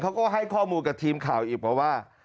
เขาก็ให้ข้อมูลกับทีมข่าวอีกว่า